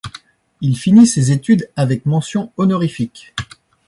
Il finit ses études avec mention honorifique.